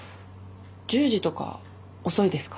１０時とか遅いですか？